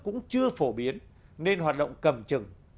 cũng chưa phổ biến nên hoạt động cầm chừng